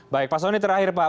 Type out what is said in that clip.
baik pak soni terakhir pak